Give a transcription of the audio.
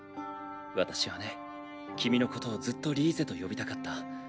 私はね君のことをずっとリーゼと呼びたかった。